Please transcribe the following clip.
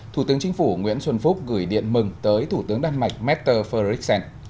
thủ tướng chính phủ nguyễn xuân phúc gửi điện mừng tới thủ tướng đan mạch mette frederiksen